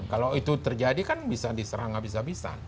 kalau itu terjadi kan bisa diserang habis habisan